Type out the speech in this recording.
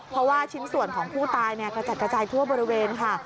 เพราะว่าชิ้นส่วนของผู้ตายกระจัดกระจายทั่วบริเวณค่ะ